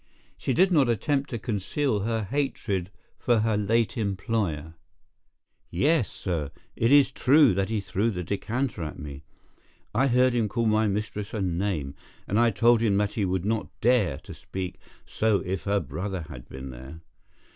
She did not attempt to conceal her hatred for her late employer. "Yes, sir, it is true that he threw the decanter at me. I heard him call my mistress a name, and I told him that he would not dare to speak so if her brother had been there.